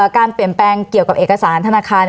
การเปลี่ยนแปลงเกี่ยวกับเอกสารธนาคาร